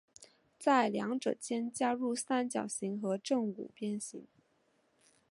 在两者间加入三角形和正五边形。